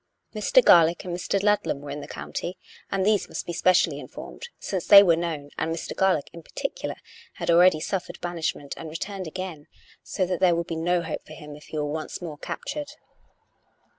Mr. Garlick and Mr. Lud 370 COME RACK! COME ROPE! lam were in the county, and these must be specially in formed, since they were known, and Mr. Garlick in par ticular had already suffered banishment and returned again, so that there would be no hope for him if he were once more captured.